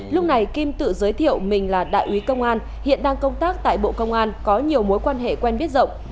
lúc này kim tự giới thiệu mình là đại úy công an hiện đang công tác tại bộ công an có nhiều mối quan hệ quen biết rộng